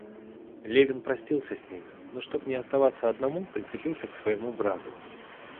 Левин простился с ними, но, чтобы не оставаться одному, прицепился к своему брату.